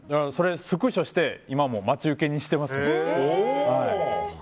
スクショして今も待ち受けにしてます。